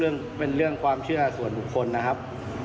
เป็นเรื่องความเชื่อส่วนบุคคลนะครับ